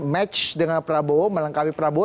match dengan prabowo melengkapi prabowo